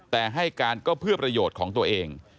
แต่ให้การก็เพื่อประโยชน์ของตัวเอง